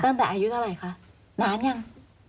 ตั้งแต่อายุเท่าไหร่คะนานยัง